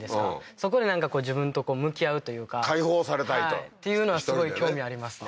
そこで自分と向き合うというか解放されたいと？っていうのはすごい興味ありますね